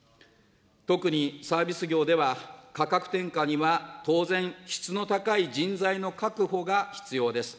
特にサービス業では、価格転嫁には、当然、質の高い人材の確保が必要です。